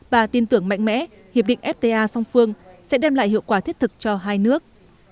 bà tin tưởng mạnh mẽ hiệp định fta song phương sẽ đem lại hiệu quả thiết thực cho hai nước